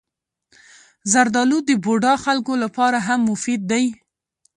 زردالو د بوډا خلکو لپاره هم مفید دی.